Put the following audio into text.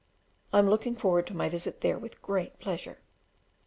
I am looking forward to my visit there with great pleasure.